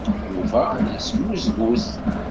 Yuba yesmuzgut.